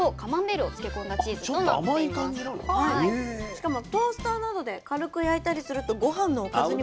しかもトースターなどで軽く焼いたりするとごはんのおかずにもなるそうです。